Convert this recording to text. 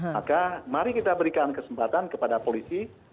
maka mari kita berikan kesempatan kepada polisi